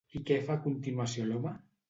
I què fa a continuació l'home?